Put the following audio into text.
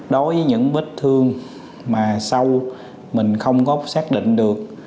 đối với những vết thương mà sau mình không có xác định được